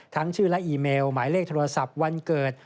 ชื่อและอีเมลหมายเลขโทรศัพท์วันเกิด